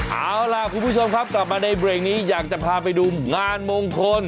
เอาล่ะคุณผู้ชมครับกลับมาในเบรกนี้อยากจะพาไปดูงานมงคล